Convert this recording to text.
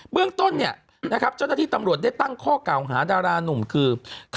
เรื่องต้นเนี่ยนะครับเจ้าหน้าที่ตำรวจได้ตั้งข้อเก่าหาดารานุ่มคือ